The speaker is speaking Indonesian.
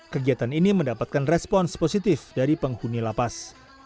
kegiatan ini mendapatkan respons positif dari penghuni lapas